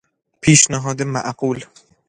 پیشنهاد معقول